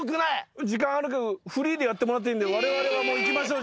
時間あるけどフリーでやってもらっていいんでわれわれはもう行きましょう。